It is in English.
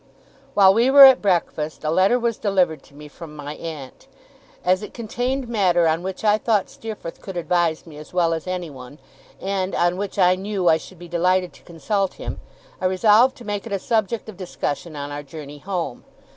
While we were at breakfast, a letter was delivered to me from my aunt. As it contained matter on which I thought Steerforth could advise me as well as anyone, and on which I knew I should be delighted to consult him, I resolved to make it a subject of discussion on our journey home.